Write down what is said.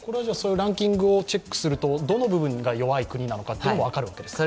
ランキングをチェックするとどの部分が弱い国なのか分かるわけですか？